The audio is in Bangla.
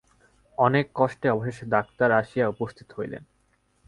অনেক কষ্টে অবশেষে ডাক্তার আসিয়া উপস্থিত হইলেন।